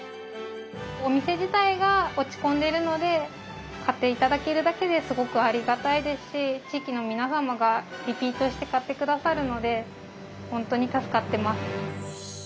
お店自体が落ち込んでるので買って頂けるだけですごくありがたいですし地域の皆様がリピートして買って下さるので本当に助かってます。